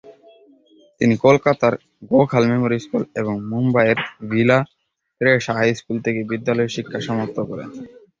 তিনি কলকাতার Gokhale memorial school এবং মুম্বইয়ের ভিলা তেরেসা হাই স্কুল থেকে বিদ্যালয়ের শিক্ষা সমাপ্ত করেন।